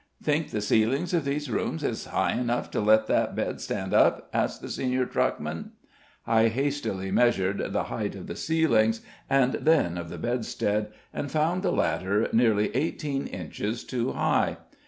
"Think the ceilings of these rooms is high enough to let that bed stand up?" asked the senior truckman. I hastily measured the height of the ceilings, and then of the bedstead, and found the latter nearly eighteen inches too high.